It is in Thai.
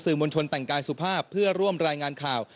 มวลชนแต่งกายสุภาพเพื่อร่วมรายงานข่าว